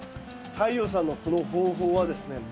太陽さんのこの方法はですね